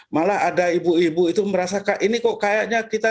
malah ada ibu ibu itu merasa ini kok kayaknya kita